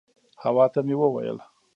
حوا ته مې وویل.